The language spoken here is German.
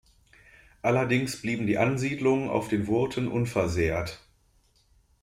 Allerdings blieben die Ansiedlungen auf den Wurten unversehrt.